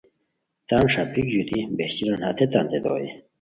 تان ݰاپیک ژوتی بہچیران ہتیتانتے دویے